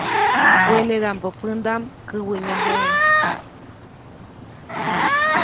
Wenedaʼmbä pändaʼm käwäʼnyajuʼuŋ.